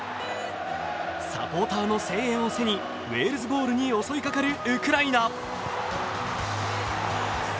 サポーターの声援を背にウェールズゴールに襲いかかるウクライナ。